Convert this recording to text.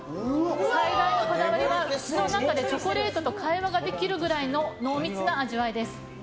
最大のこだわりは口の中でチョコレートと会話ができるくらいの濃密な味わいです。